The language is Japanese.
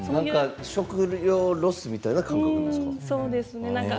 食料ロスみたいな感じですか。